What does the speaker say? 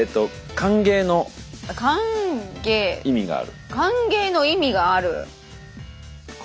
歓迎の意味がある。